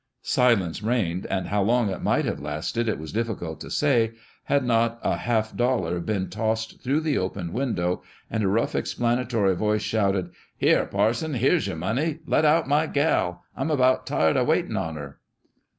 Silence reigned, and how long it might have lasted it was difficult to say, had not a half dollar been tossed through the open window, and a rough explanatory voice shouted, "Here, parson, there's yer money ; let out my gal. I'm about tired of waitin' on her